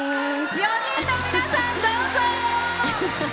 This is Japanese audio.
４人の皆さん、どうぞ！